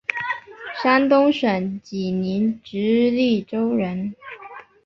山东省济宁直隶州人。